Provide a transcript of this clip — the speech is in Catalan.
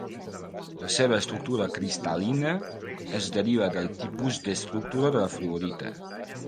La seva estructura cristal·lina es deriva del tipus d'estructura de la fluorita.